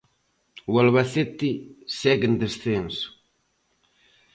O Albacete segue en descenso.